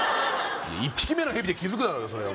１匹目のヘビで気づくだろうよ